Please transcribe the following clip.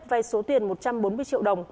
vai số tiền một trăm bốn mươi triệu đồng